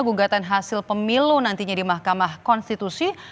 gugatan hasil pemilu nantinya di mahkamah konstitusi